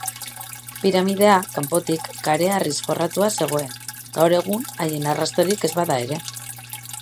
Piramidea, kanpotik, kareharriz forratua zegoen, gaur egun haien arrastorik ez bada ere.